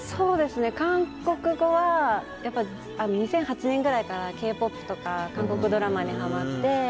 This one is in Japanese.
韓国語は２００８年くらいからＫ‐ＰＯＰとか韓国ドラマにハマって。